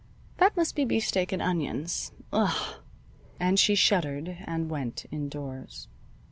"That must be beefsteak and onions. Ugh!" And she shuddered, and went indoors.